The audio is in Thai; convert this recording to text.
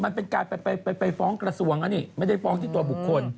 มันเป็นการไปฟ้องกระทรวงอันนี้ไม่ได้ฟ้องที่ตัวบุคคล